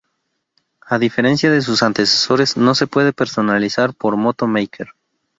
A diferencia de sus antecesores, no se puede personalizar por Moto Maker.